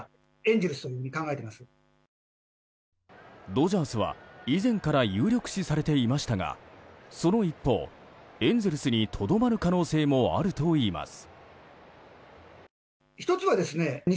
ドジャースは以前から有力視されていましたがその一方、エンゼルスにとどまる可能性もあるといいます。